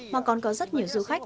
mà còn có rất nhiều du khách